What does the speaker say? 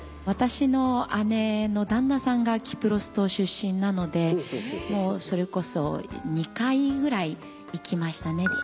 私の姉の旦那さんがキプロス島出身なのでもうそれこそ２回ぐらい行きましたね。